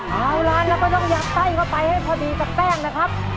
เอาล่ะเราก็ต้องยัดไส้เข้าไปให้พอดีกับแป้งนะครับ